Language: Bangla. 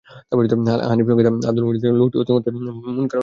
হাফিজ আবুল ফাতহ আযদী বলেছেন, লোকটি অতি মাত্রায় মুনকারুল হাদীস।